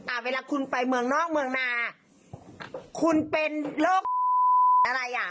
เวลาคุณไปเมืองนอกเมืองนาคุณเป็นโรคอะไรอ่ะ